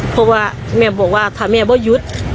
เพราะว่าแม่บอกว่าถ้าแม่บ่หยุด